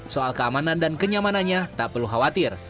soal keamanan dan kenyamanannya tak perlu khawatir